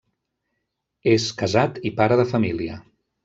És casat i pare de família.